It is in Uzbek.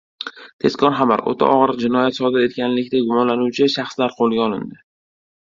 Tezkor xabar! O‘ta og‘ir jinoyat sodir etganlikda gumonlanuvchi shaxslar qo‘lga olindi